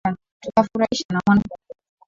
Tukafurahishwa na Mwana Mungu